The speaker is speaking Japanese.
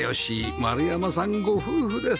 丸山さんご夫婦です